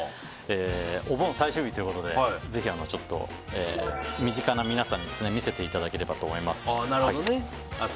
お盆最終日ということで、ぜひ身近な皆さんに見せていただければと思います。